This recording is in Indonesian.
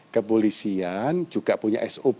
kepolisian juga punya sop